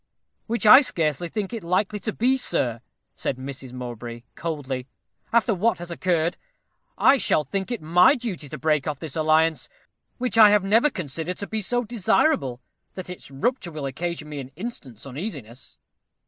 "Which I scarcely think it likely to be, sir," said Mrs. Mowbray, coldly. "After what has occurred, I shall think it my duty to break off this alliance, which I have never considered to be so desirable that its rupture will occasion me an instant's uneasiness."